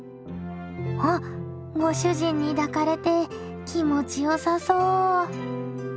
あご主人に抱かれて気持ちよさそう。